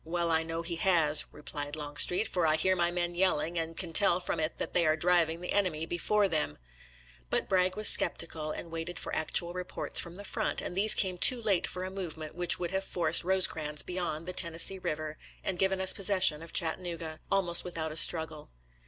" Well, I know he has," replied Longstreet, " for I hear my men yelling, and can tell from it that they are driving the enemy before them." But Bragg was skeptical and waited for actual reports from the front, and these came too late for a movement which would have forced Kosecrans beyond the Ten 142 SOLDIER'S LETTERS TO CHARMING NELLIE nessee Eiver and given us possession of Chat tanooga almost without a struggle.